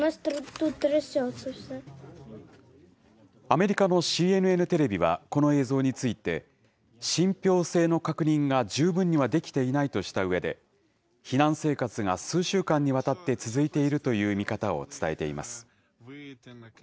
アメリカのＣＮＮテレビはこの映像について、信ぴょう性の確認が十分にはできていないとしたうえで、避難生活が数週間にわたって続いているという見方を伝えています。